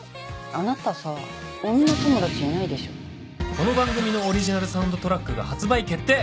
この番組のオリジナル・サウンドトラックが発売決定！